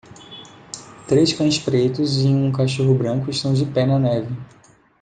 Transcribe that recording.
Três cães pretos e um cachorro branco estão de pé na neve.